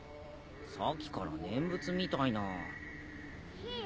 さっきから念仏みたいな。